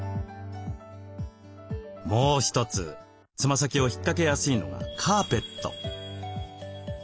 もう一つつま先を引っかけやすいのがカーペット。